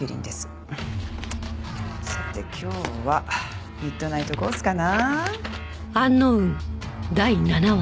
さて今日はミッドナイトコースかな。